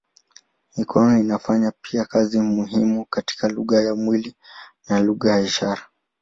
Mikono inafanya pia kazi muhimu katika lugha ya mwili na lugha ya ishara.